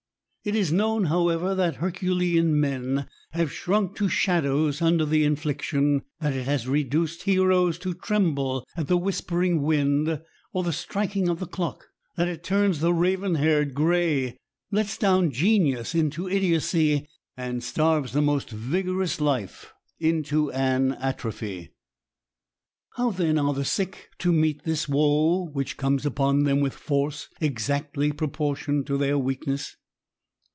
It is i known^ however^ that herculean men have shrunk to shadows under the infliction^ that it has reduced heroes to tremble at the whispering wind^ or the striking of the clocks that it turns the raven hair gray, lets down genius into idiocy, and starves the most vigorous life into an atrophy. How then are the sick to meet this woe, which comes upon them with force exactly proportioned to their weakness